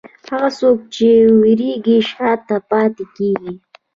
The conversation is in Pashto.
هغه څوک چې وېرېږي، شا ته پاتې کېږي.